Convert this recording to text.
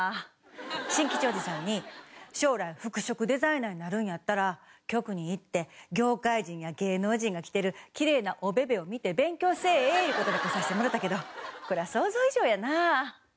新吉おじさんに「将来服飾デザイナーになるんやったら局に行って業界人や芸能人が着てるキレイなおべべを見て勉強せえ」いう事で来させてもろたけどこりゃ想像以上やな。